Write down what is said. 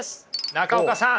中岡さん。